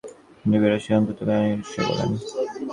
যোগীরা সেই অনন্ত জ্ঞানকেই ঈশ্বর বলেন।